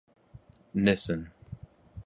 Nissen.